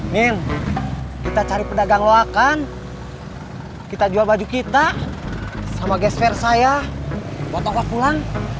nin kita cari pedagang loakan kita jual baju kita sama guest fare saya buat tolong pulang